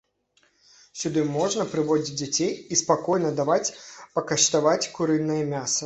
Сюды можна прыводзіць дзяцей і спакойна даваць пакаштаваць курынае мяса.